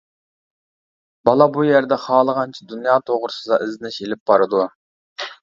بالا بۇ يەردە خالىغانچە دۇنيا توغرىسىدا ئىزدىنىش ئېلىپ بارىدۇ.